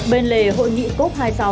bên lề hội nghị cốc hai mươi sáu